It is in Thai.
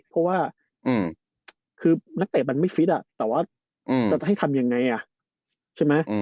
เพราะว่าคือนักเตะมันไม่ฟิตแต่ว่าจะให้ทำยังไงใช่ไหม